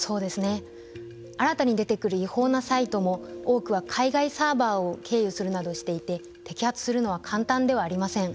新たに出てくる違法なサイトも多くは海外サーバーを経由するなどしていて摘発するのは簡単ではありません。